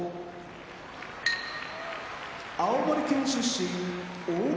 青森県出身阿武松部屋